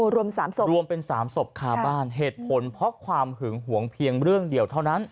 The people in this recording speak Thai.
รวม๓ศพรวมเป็น๓ศพคาบ้านเหตุผลเพราะความหึงหวงเพียงเรื่องเดียวเท่านั้น